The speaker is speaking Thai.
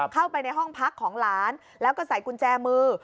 เข้าไปในห้องพักของหลานแล้วก็ใส่กุญแจมือ